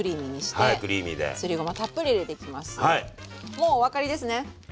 もうお分かりですね？